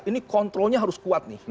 ini kontrolnya harus kuat